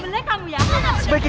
pergi gak kamu pergi ya